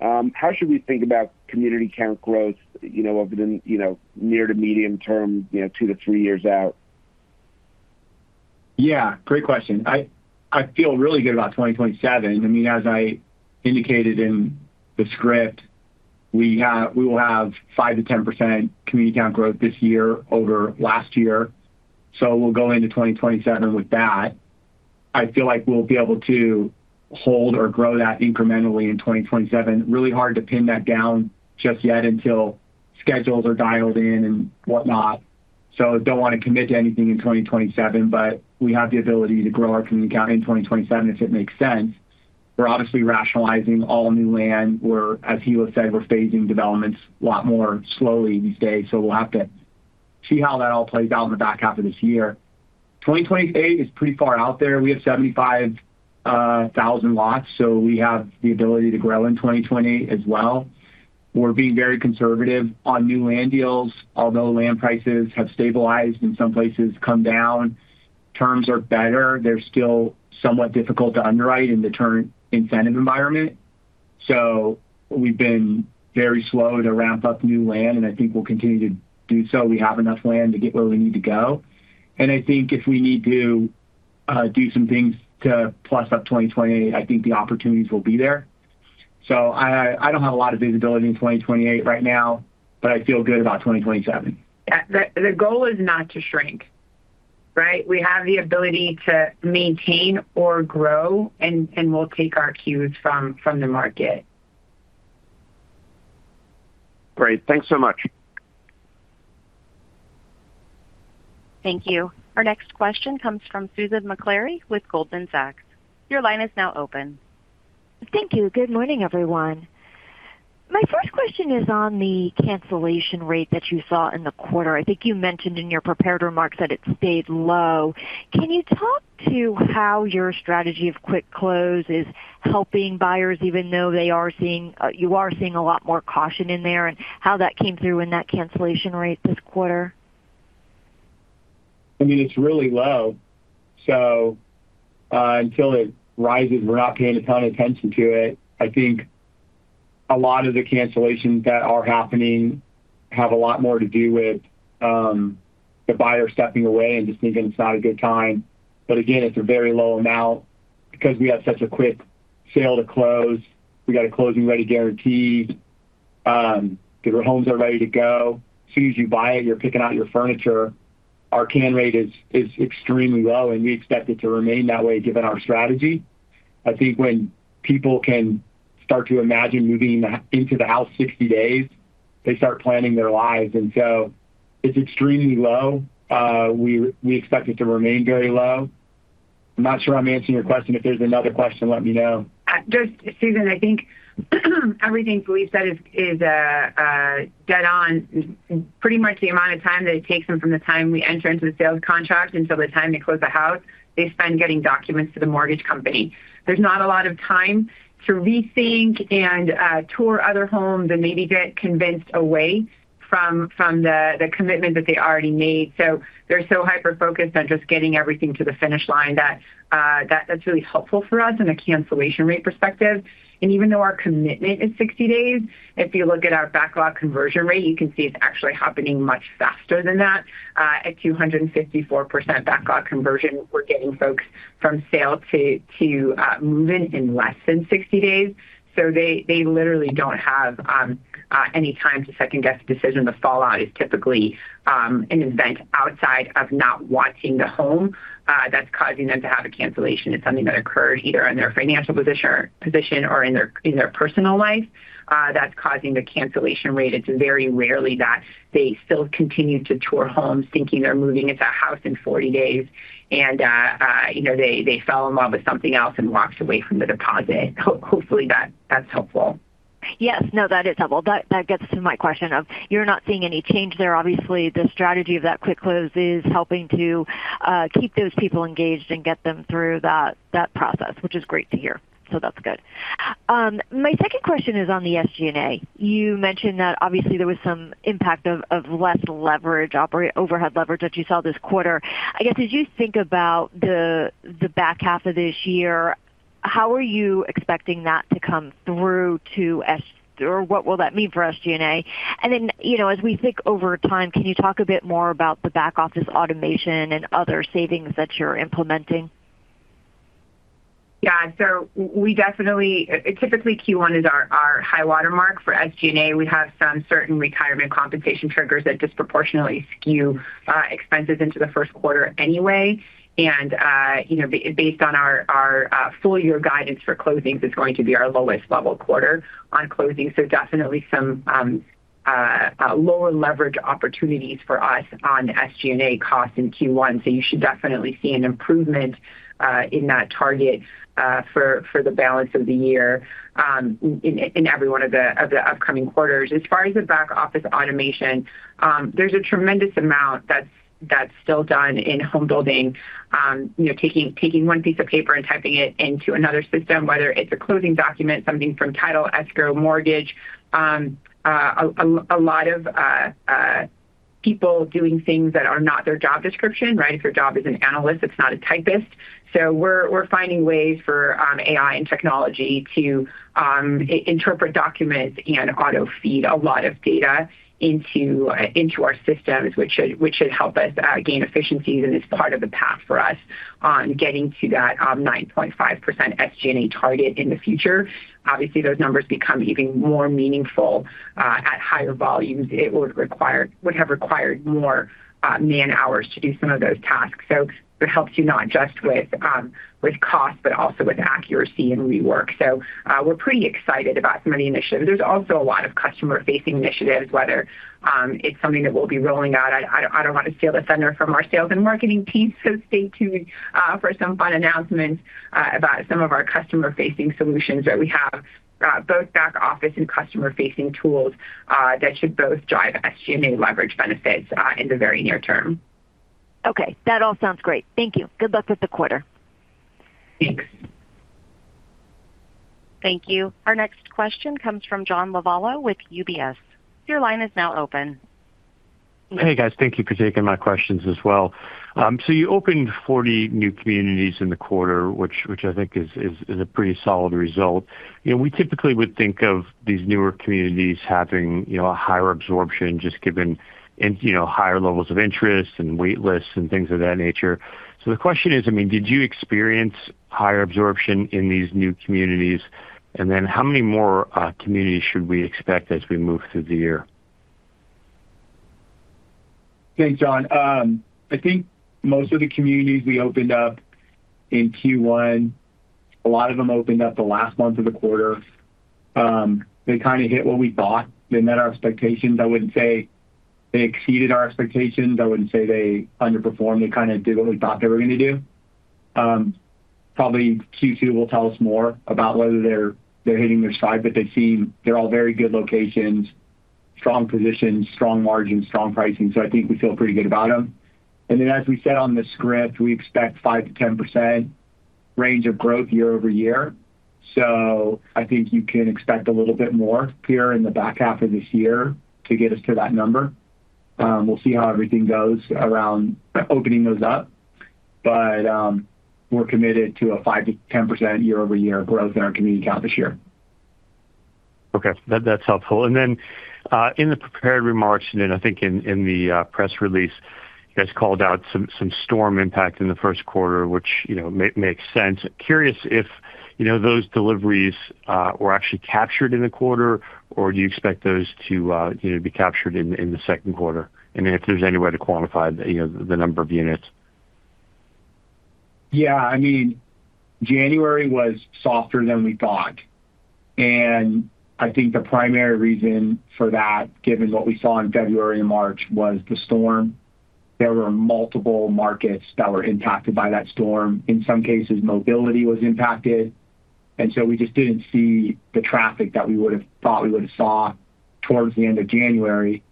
How should we think about community count growth over the near to medium term, two to three years out? Yeah. Great question. I feel really good about 2027. As I indicated in the script, we will have 5%-10% community count growth this year over last year. We'll go into 2027 with that. I feel like we'll be able to hold or grow that incrementally in 2027. Really hard to pin that down just yet until schedules are dialed in and whatnot, so don't want to commit to anything in 2027. We have the ability to grow our community count in 2027, if it makes sense. We're obviously rationalizing all new land. As Hila said, we're phasing developments a lot more slowly these days, so we'll have to see how that all plays out in the back half of this year. 2028 is pretty far out there. We have 75,000 lots. We have the ability to grow in 2028 as well. We're being very conservative on new land deals, although land prices have stabilized, in some places come down. Terms are better. They're still somewhat difficult to underwrite in the current incentive environment. We've been very slow to ramp up new land, and I think we'll continue to do so. We have enough land to get where we need to go. I think if we need to do some things to plus up 2028, I think the opportunities will be there. I don't have a lot of visibility in 2028 right now, but I feel good about 2027. The goal is not to shrink. Right? We have the ability to maintain or grow, and we'll take our cues from the market. Great. Thanks so much. Thank you. Our next question comes from Susan Maklari with Goldman Sachs. Your line is now open. Thank you. Good morning, everyone. My first question is on the cancellation rate that you saw in the quarter. I think you mentioned in your prepared remarks that it stayed low. Can you talk to how your strategy of quick close is helping buyers even though you are seeing a lot more caution in there, and how that came through in that cancellation rate this quarter? It's really low. Until it rises, we're not paying a ton of attention to it. I think a lot of the cancellations that are happening have a lot more to do with the buyer stepping away and just thinking it's not a good time. Again, it's a very low amount because we have such a quick sale to close. We got a Closing-Ready Guarantee because our homes are ready to go. As soon as you buy it, you're picking out your furniture. Our cancel rate is extremely low, and we expect it to remain that way given our strategy. I think when people can start to imagine moving into the house 60 days, they start planning their lives, and so it's extremely low. We expect it to remain very low. I'm not sure I'm answering your question. If there's another question, let me know. Susan, I think everything Phillippe said is dead on. Pretty much the amount of time that it takes them from the time we enter into the sales contract until the time they close the house, they spend getting documents to the mortgage company. There's not a lot of time to rethink and tour other homes and maybe get convinced away from the commitment that they already made. They're so hyper-focused on just getting everything to the finish line that that's really helpful for us in a cancellation rate perspective. Even though our commitment is 60 days, if you look at our backlog conversion rate, you can see it's actually happening much faster than that. At 254% backlog conversion, we're getting folks from sale to move-in in less than 60 days. They literally don't have any time to second-guess the decision. The fallout is typically an event outside of not wanting the home that's causing them to have a cancellation. It's something that occurred either in their financial position or in their personal life that's causing the cancellation rate. It's very rarely that they still continue to tour homes thinking they're moving into a house in 40 days, and they fell in love with something else and walked away from the deposit. Hopefully, that's helpful. Yes. No, that is helpful. That gets to my question of, you're not seeing any change there. Obviously, the strategy of that quick close is helping to keep those people engaged and get them through that process, which is great to hear. That's good. My second question is on the SG&A. You mentioned that obviously there was some impact of less leverage, overhead leverage that you saw this quarter. I guess as you think about the back half of this year, how are you expecting that to come through to? Or what will that mean for SG&A? As we think over time, can you talk a bit more about the back office automation and other savings that you're implementing? Yeah. Typically, Q1 is our high water mark. For SG&A, we have some certain retirement compensation triggers that disproportionately skew expenses into the Q1 anyway. Based on our full-year guidance for closings, it's going to be our lowest level quarter on closings. Definitely some lower leverage opportunities for us on SG&A costs in Q1. You should definitely see an improvement in that target for the balance of the year in every one of the upcoming quarters. As far as the back office automation, there's a tremendous amount that's still done in home building. Taking one piece of paper and typing it into another system, whether it's a closing document, something from title, escrow, mortgage. A lot of people doing things that are not their job description, right? If your job is an analyst, it's not a typist. We're finding ways for AI and technology to interpret documents and auto-feed a lot of data into our systems, which should help us gain efficiencies, and it's part of the path for us. On getting to that 9.5% SG&A target in the future. Obviously, those numbers become even more meaningful at higher volumes. It would have required more man-hours to do some of those tasks. It helps you not just with cost, but also with accuracy and rework. We're pretty excited about some of the initiatives. There's also a lot of customer-facing initiatives, whether it's something that we'll be rolling out. I don't want to steal the thunder from our sales and marketing team, so stay tuned for some fun announcements about some of our customer-facing solutions that we have, both back office and customer-facing tools that should both drive SG&A leverage benefits in the very near term. Okay. That all sounds great. Thank you. Good luck with the quarter. Thanks. Thank you. Our next question comes from John Lovallo with UBS. Your line is now open. Hey, guys. Thank you for taking my questions as well. You opened 40 new communities in the quarter, which I think is a pretty solid result. We typically would think of these newer communities having a higher absorption, just given higher levels of interest and wait lists and things of that nature. The question is, did you experience higher absorption in these new communities? How many more communities should we expect as we move through the year? Thanks, John. I think most of the communities we opened up in Q1, a lot of them opened up the last month of the quarter. They kind of hit what we thought. They met our expectations. I wouldn't say they exceeded our expectations. I wouldn't say they underperformed. They kind of did what we thought they were going to do. Probably Q2 will tell us more about whether they're hitting their stride. They seem, they're all very good locations, strong positions, strong margins, strong pricing. I think we feel pretty good about them. Then as we said on the script, we expect 5%-10% range of growth year-over-year. I think you can expect a little bit more here in the back half of this year to get us to that number. We'll see how everything goes around opening those up. We're committed to a 5%-10% year-over-year growth in our community count this year. Okay. That's helpful. Then, in the prepared remarks, and then I think in the press release, you guys called out some storm impact in the Q1, which makes sense. Curious if those deliveries were actually captured in the quarter, or do you expect those to be captured in the Q2? If there's any way to quantify the number of units. Yeah. January was softer than we thought. I think the primary reason for that, given what we saw in February and March, was the storm. There were multiple markets that were impacted by that storm. In some cases, mobility was impacted. We just didn't see the traffic that we would have thought we would have saw towards the end of January.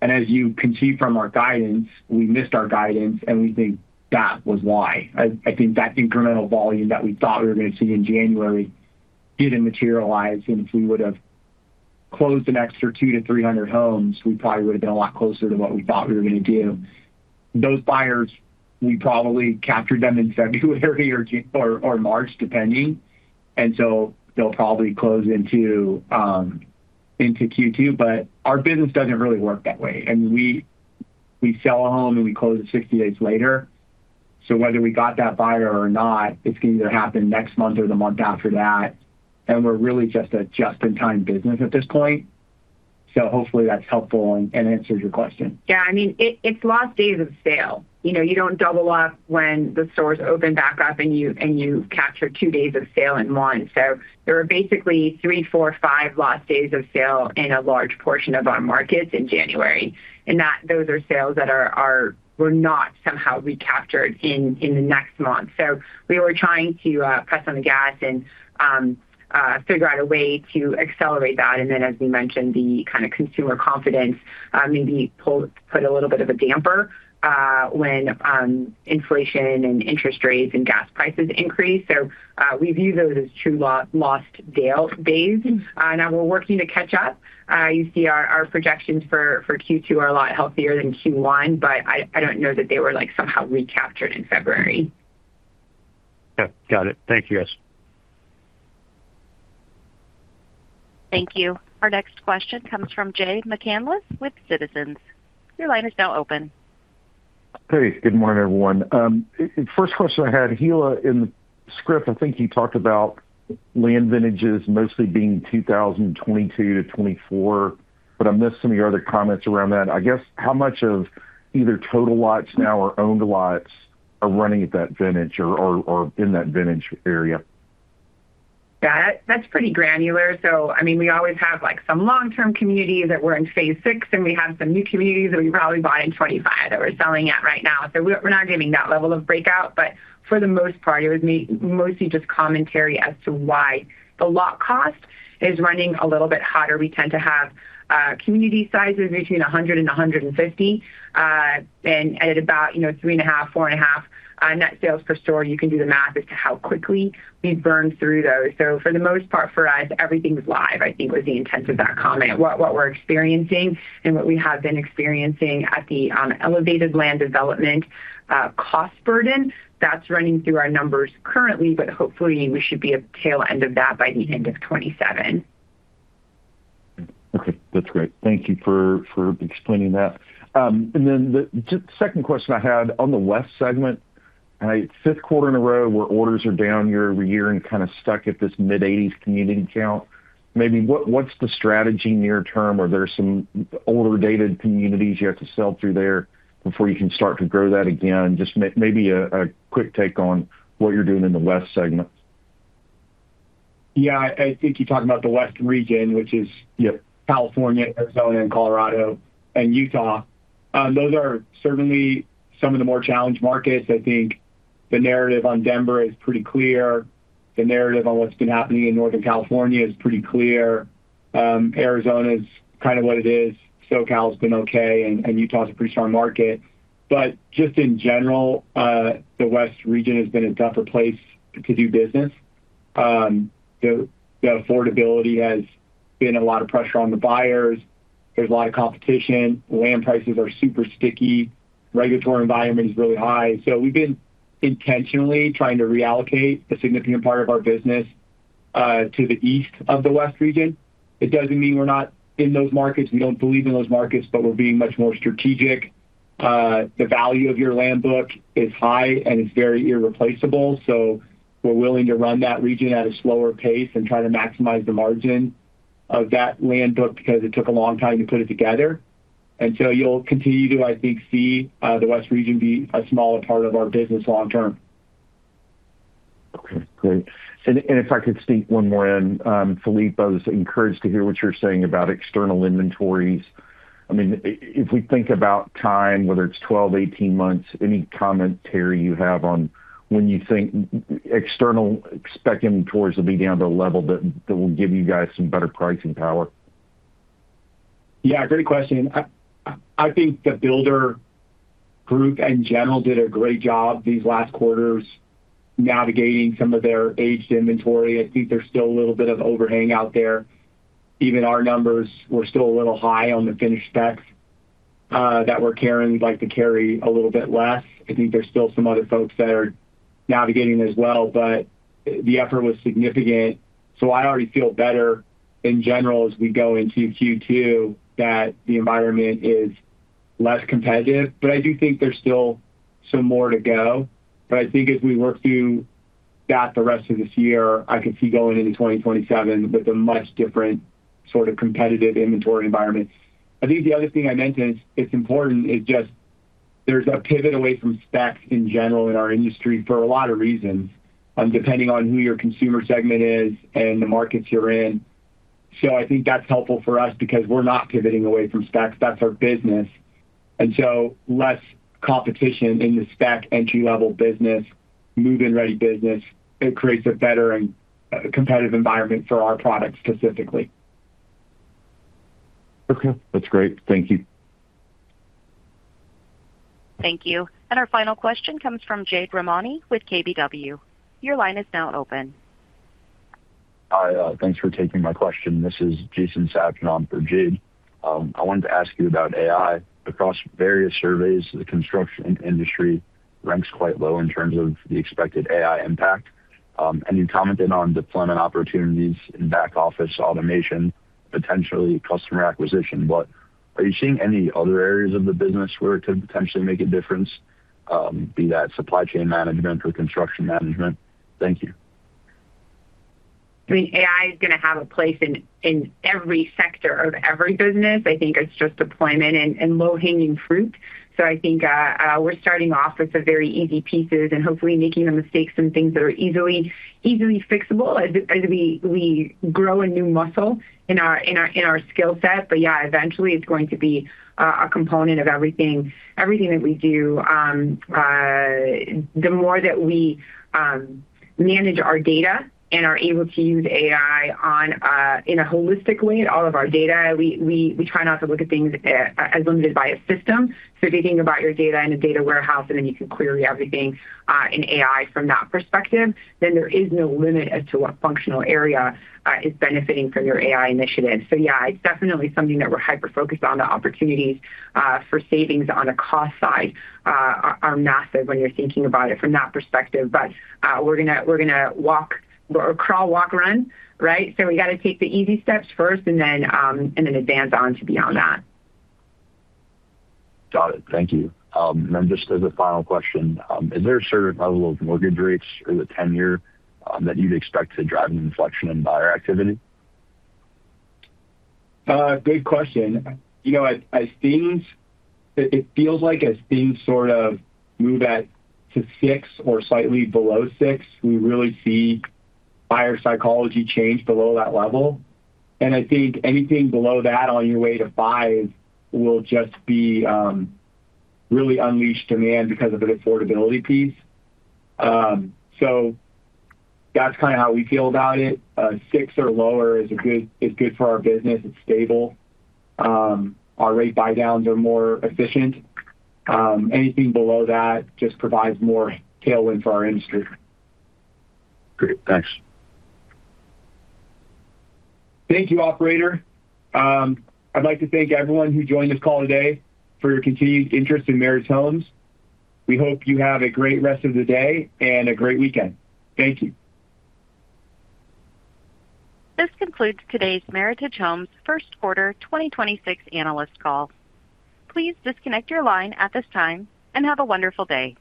As you can see from our guidance, we missed our guidance, and we think that was why. I think that incremental volume that we thought we were going to see in January didn't materialize. If we would have closed an extra 200-300 homes, we probably would have been a lot closer than what we thought we were going to do. Those buyers, we probably captured them in February or March, depending. They'll probably close into Q2. Our business doesn't really work that way. We sell a home, and we close it 60 days later. Whether we got that buyer or not, it's going to happen next month or the month after that. We're really just a just-in-time business at this point. Hopefully that's helpful and answers your question. Yeah. It's lost days of sale. You don't double up when the stores open back up and you capture two days of sale in one. There are basically three, four, five lost days of sale in a large portion of our markets in January. Those are sales that were not somehow recaptured in the next month. We were trying to press on the gas and figure out a way to accelerate that. As we mentioned, the kind of consumer confidence maybe put a little bit of a damper when inflation and interest rates and gas prices increased. We view those as two lost days. Now we're working to catch up. You see our projections for Q2 are a lot healthier than Q1, but I don't know that they were somehow recaptured in February. Okay. Got it. Thank you, guys. Thank you. Our next question comes from Jay McCanless with Citizens. Your line is now open. Hey, good morning, everyone. First question I had, Hilla, in the script, I think you talked about land vintages mostly being 2022 to 2024, but I missed some of your other comments around that. I guess how much of either total lots now or owned lots are running at that vintage or are in that vintage area? That's pretty granular. We always have some long-term communities that were in phase six, and we have some new communities that we probably bought in 2025 that we're selling right now. We're not giving that level of breakout, but for the most part, it was mostly just commentary as to why the lot cost is running a little bit hotter. We tend to have community sizes between 100 and 150. At about three point-four point five net sales per store, you can do the math as to how quickly we burn through those. For the most part, for us, everything's live, I think was the intent of that comment. What we're experiencing and what we have been experiencing at the elevated land development cost burden, that's running through our numbers currently, but hopefully we should be at the tail end of that by the end of 2027. Okay. That's great. Thank you for explaining that. The second question I had on the West segment, Q5in a row where orders are down year-over-year and kind of stuck at this mid-80s community count. Maybe what's the strategy near term? Are there some older dated communities you have to sell through there before you can start to grow that again? Just maybe a quick take on what you're doing in the West segment. Yeah, I think you're talking about the West Region, which is California, Arizona, and Colorado, and Utah. Those are certainly some of the more challenged markets. I think the narrative on Denver is pretty clear. The narrative on what's been happening in Northern California is pretty clear. Arizona is kind of what it is. SoCal has been okay, and Utah is a pretty strong market. Just in general, the West Region has been a tougher place to do business. The affordability has been a lot of pressure on the buyers. There's a lot of competition. Land prices are super sticky. Regulatory environment is really high. We've been intentionally trying to reallocate a significant part of our business, to the east of the West Region. It doesn't mean we're not in those markets, we don't believe in those markets, but we're being much more strategic. The value of your land book is high, and it's very irreplaceable. We're willing to run that region at a slower pace and try to maximize the margin of that land book because it took a long time to put it together. You'll continue to, I think, see, the west region be a smaller part of our business long term. Okay, great. If I could sneak one more in, Phillippe, I was encouraged to hear what you're saying about external inventories. If we think about time, whether it's 12, 18 months, any commentary you have on when you think external spec inventories will be down to a level that will give you guys some better pricing power? Yeah, great question. I think the builder group in general did a great job these last quarters navigating some of their aged inventory. I think there's still a little bit of overhang out there. Even our numbers were still a little high on the finished specs that we're carrying. We'd like to carry a little bit less. I think there's still some other folks that are navigating as well, but the effort was significant, so I already feel better in general as we go into Q2 that the environment is less competitive. I do think there's still some more to go. I think as we work through that the rest of this year, I could see going into 2027 with a much different sort of competitive inventory environment. I think the other thing I mentioned, it's important, it's just there's a pivot away from specs in general in our industry for a lot of reasons, depending on who your consumer segment is and the markets you're in. I think that's helpful for us because we're not pivoting away from specs. That's our business. Less competition in the spec entry-level business, move-in-ready business, it creates a better and competitive environment for our product specifically. Okay. That's great. Thank you. Thank you. Our final question comes from Jade Rahmani with KBW. Your line is now open. Hi. Thanks for taking my question. This is Jason Sabshon on for Jade. I wanted to ask you about AI. Across various surveys, the construction industry ranks quite low in terms of the expected AI impact. You commented on deployment opportunities in back office automation, potentially customer acquisition. Are you seeing any other areas of the business where it could potentially make a difference, be that supply chain management or construction management? Thank you. I mean, AI is going to have a place in every sector of every business. I think it's just deployment and low-hanging fruit. I think we're starting off with the very easy pieces and hopefully making the mistakes and things that are easily fixable as we grow a new muscle in our skill set. Yeah, eventually it's going to be a component of everything that we do. The more that we manage our data and are able to use AI in a holistic way in all of our data, we try not to look at things as limited by a system. If you think about your data in a data warehouse, and then you can query everything in AI from that perspective, then there is no limit as to what functional area is benefiting from your AI initiative. Yeah, it's definitely something that we're hyper-focused on. The opportunities for savings on the cost side are massive when you're thinking about it from that perspective. We're going to crawl, walk, run, right? We got to take the easy steps first and then advance on to beyond that. Got it. Thank you. Just as a final question, is there a certain level of mortgage rates or the ten-year that you'd expect to drive an inflection in buyer activity? Great question. It feels like as things sort of move down to six or slightly below six, we really see buyer psychology change below that level. I think anything below that on your way to five will just be really unleashed demand because of the affordability piece. That's kind of how we feel about it. six or lower is good for our business. It's stable. Our rate buydowns are more efficient. Anything below that just provides more tailwind for our industry. Great. Thanks. Thank you, operator. I'd like to thank everyone who joined this call today for your continued interest in Meritage Homes. We hope you have a great rest of the day and a great weekend. Thank you. This concludes today's Meritage Homes Q1 2026 analyst call. Please disconnect your line at this time and have a wonderful day.